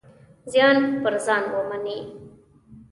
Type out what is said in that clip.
زیان پر ځان ومني.